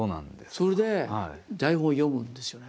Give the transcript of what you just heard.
それで台本を読むんですよね。